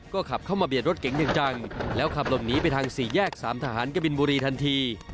ก็ขับเข้ามาเบียดรถเก๋งอย่างจังแล้วขับหลบหนีไปทางสี่แยกสามทหารกบินบุรีทันที